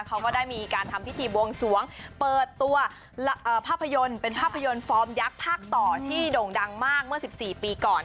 ก็ได้มีการทำพิธีบวงสวงเปิดตัวภาพยนตร์เป็นภาพยนตร์ฟอร์มยักษ์ภาคต่อที่โด่งดังมากเมื่อ๑๔ปีก่อน